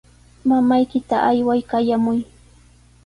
Mamaykita ayway qayamuy.